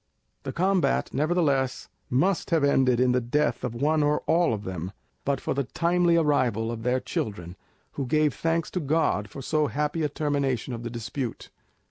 The combat, nevertheless, must have ended in the death of one or all of them but for the timely arrival of their children, who gave thanks to God for so happy a termination of the dispute.